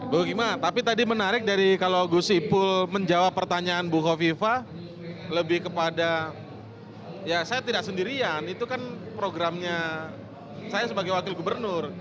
begitu ya pak tapi tadi menarik dari kalau gus ipul menjawab pertanyaan buko viva lebih kepada ya saya tidak sendirian itu kan program nya saya sebagai wakil gubernur